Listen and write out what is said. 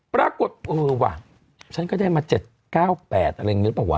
ปรากฏเออว่ะฉันก็ได้มา๗๙๘อะไรเงี้ยป่ะวะ